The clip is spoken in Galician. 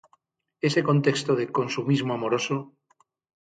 Ese contexto de consumismo amoroso.